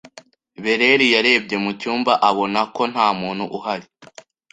Bereri yarebye mu cyumba abona ko nta muntu uhari.